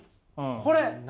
これ！